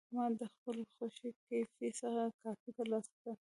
ما د خپلې خوښې کیفې څخه کافي ترلاسه کړه.